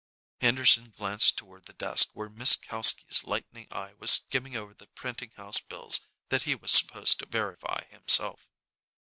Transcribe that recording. Henderson glanced toward the desk where Miss Kalski's lightning eye was skimming over the printing house bills that he was supposed to verify himself.